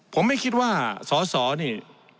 ผมไม่คิดว่าสอสอนี่